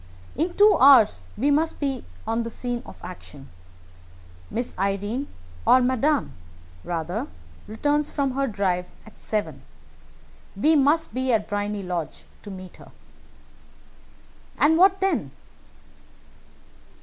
In two hours we must be on the scene of action. Miss Irene, or Madame, rather, returns from her drive at seven. We must be at Briony Lodge to meet her." "And what then?"